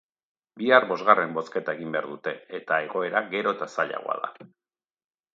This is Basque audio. Bihar bosgarren bozketa egin behar dute eta egoera gero eta zailagoa da.